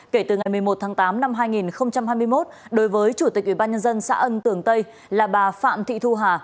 kể từ ngày một mươi một tháng tám năm hai nghìn hai mươi một đối với chủ tịch ubnd xã ân tưởng tây là bà phạm thị thu hà